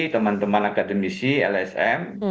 teman teman akademisi lsm